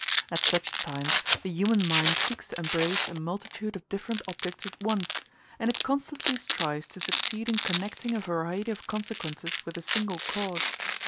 At such times the human mind seeks to embrace a multitude of different objects at once; and it constantly strives to succeed in connecting a variety of consequences with a single cause.